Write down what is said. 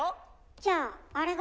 じゃああれが。